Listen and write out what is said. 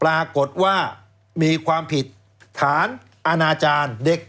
แล้วเขาก็ใช้วิธีการเหมือนกับในการ์ตูน